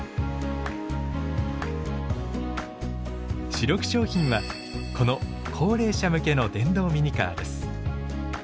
主力商品はこの高齢者向けの電動ミニカーです。